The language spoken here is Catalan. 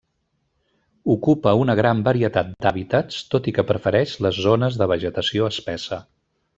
Ocupa una gran varietat d'hàbitats, tot i que prefereix les zones de vegetació espessa.